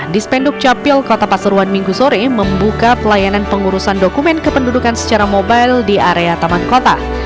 dispenduk capil kota pasuruan minggu sore membuka pelayanan pengurusan dokumen kependudukan secara mobile di area taman kota